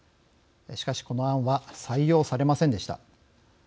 しかし、この案は採用されませんでした。